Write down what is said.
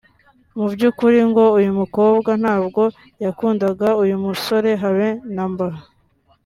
Mu by’ukuri ngo uyu mukobwa ntabwo yakundaga uyu musore habe na mba